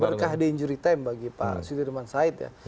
berkah di injury time bagi pak sudirman said ya